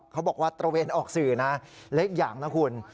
เขาบอกว่าตระเวนออกสื่อนะเล็กอย่างนะคุณ